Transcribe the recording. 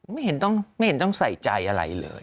ไม่เห็นต้องใส่ใจอะไรเลย